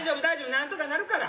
なんとかなるから。